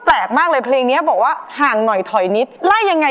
แปลกมากเลยเพลงนี้บอกว่าห่างหน่อยถอยนิดไล่ยังไง